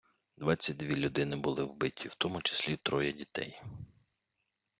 Двадцять дві людини були вбиті, в тому числі троє дітей.